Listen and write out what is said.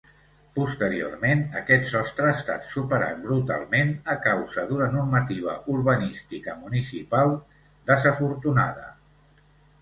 Posteriorment aquest sostre ha estat superat brutalment a causa d'una normativa urbanística municipal desafortunada.